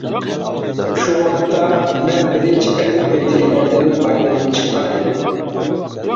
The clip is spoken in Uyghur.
شۇ ۋاقىتتا، مەن بىرىنچى قېتىم ئۆيدىكىلەردىن ئايرىلىپ چىققان ئىدىم.